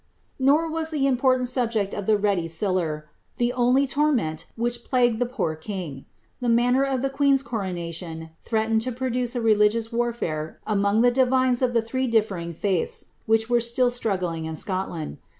" Nor was the important subject of the "ready siller" ihe nnlv tor ment which plagued the poor king. Tlie manner of the queen's coro nation thrcaleiied lo produce a religious warfare among the divine* f l' the three differing faiths which acre slill struggling in Scoiland.